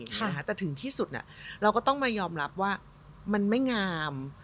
แต่ถึงที่สุดเราก็ต้องมายอมรับว่ามันไม่งาม